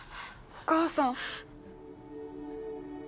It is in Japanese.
お母さん。